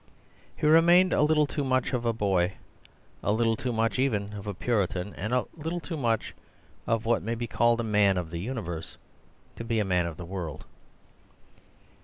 He remained a little too much of a boy, a little too much even of a Puritan, and a little too much of what may be called a man of the universe, to be a man of the world.